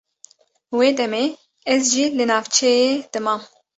Wê demê ez jî li navçeyê dimam.